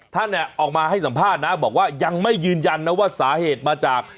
ท่านเนี่ยออกมาให้สัมภาษณ์นะบอกว่ายังไม่ยืนยันนะว่าสาเหตุมาจาก